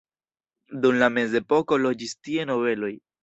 Dum la mezepoko loĝis tie nobeloj.